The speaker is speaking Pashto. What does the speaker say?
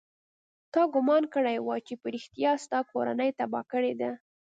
تا ګومان کړى و چې په رښتيا يې ستا کورنۍ تباه کړې ده.